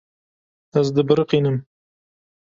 Ez dibiriqînim.